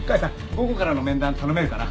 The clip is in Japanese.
午後からの面談頼めるかな？